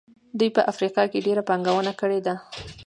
دوی په افریقا کې ډېره پانګونه کړې ده.